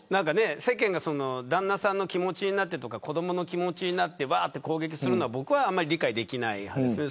世間が旦那さんの気持ちになってとか子どもの気持ちになって攻撃するのは理解できないです。